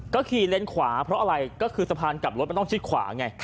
ก็ขี่เลนขวาเพราะอะไรก็คือสะพานกลับรถมันต้องชิดขวาไง